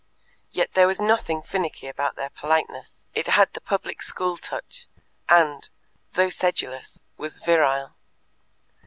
Yet there was nothing finicky about their politeness: it had the Public School touch, and, though sedulous, was virile.